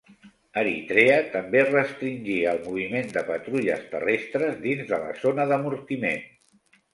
Eritrea també restringia el moviment de patrulles terrestres dins de la zona d'amortiment.